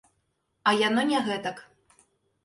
А яно не гэтак.